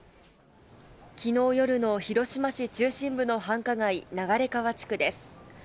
昨日夜の広島市中心部の繁華街・流川地区です。